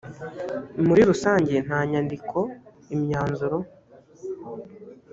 muri rusange nta nyandiko imyanzuro